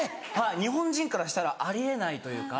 日本人からしたらあり得ないというか。